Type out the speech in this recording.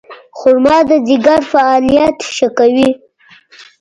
خرما د ځیګر فعالیت ښه کوي.